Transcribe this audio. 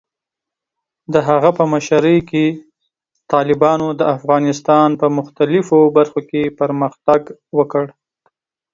د هغه په مشرۍ کې، طالبانو د افغانستان په مختلفو برخو کې پرمختګ وکړ.